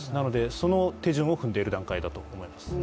その手順を踏んでいる段階だと思います。